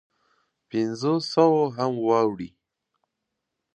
پنځو سوو هم واوړي.